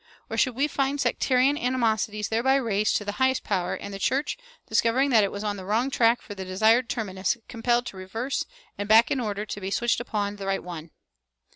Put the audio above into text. or should we find sectarian animosities thereby raised to the highest power, and the church, discovering that it was on the wrong track for the desired terminus, compelled to reverse and back in order to be switched upon the right one?